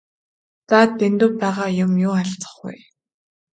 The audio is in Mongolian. За Дэндэв байгаа юм юу алзах вэ?